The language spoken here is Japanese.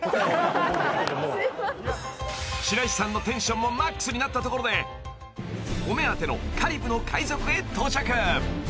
［白石さんのテンションもマックスになったところでお目当てのカリブの海賊へ到着］